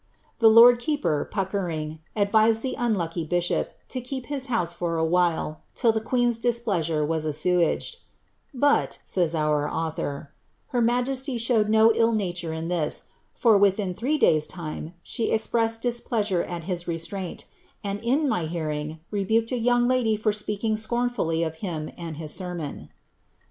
The lord keeper, Puck ering, advised the unlucky bishop to keep his house for a while, till the qneen's displeasure was assuaged ;^ but," says our author, ^ her ma jesty showed no ill nature in this, for, within three days' time, she ex prened displeasure at his restraint, and, in my hearing, rebuked a young lady for speaking scornfully of him and his sermon."